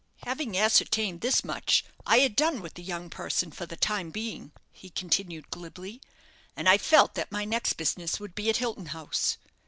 "Having ascertained this much, I had done with the young person, for the time being," he continued, glibly; "and I felt that my next business would be at Hilton House.